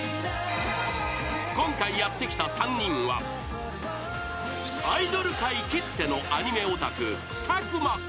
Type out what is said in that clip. ［今回やって来た３人はアイドル界きってのアニメオタク佐久間君］